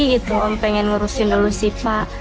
pertemuan awal karena kelelahan menyebabkan kebutuhan